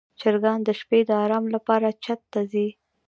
چرګان د شپې د آرام لپاره چت ته ځي.